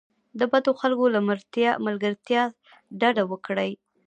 د بدو خلکو له ملګرتیا ډډه وکړئ.